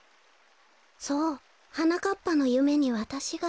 そうはなかっぱのゆめにわたしが。